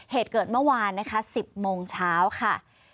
เหตุเกิดเมื่อวานนะคะ๑๐โมงเช้าค่ะ